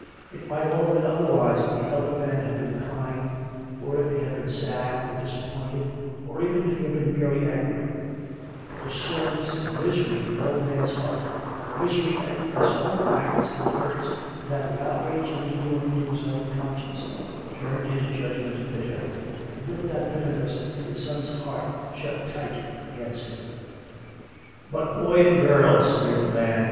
It might all have been otherwise if the elder man had been kind, or if he had been sad or disappointed, or even if he had been merely angry; but the soreness and misery in the old man's heart — misery at his own acts and words, and at the outrage he was doing to his own conscience — turned his judgment bitter, and with that bitterness his son's heart shut tight against him. " But boy and girl !" sneered the man.